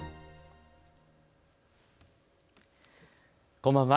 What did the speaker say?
こんばんは。